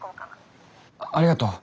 ありがとう。